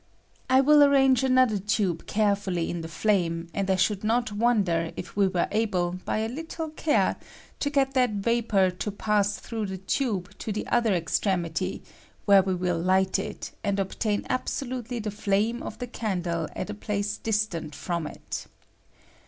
I will arrange another tube carefully in the fiame, and I should not wonder if we were able, by a little care, to get that vapor to pass through the tube to the other extremity, where we will light it, and obtain absolutely the flame of the candle at a place distant from it.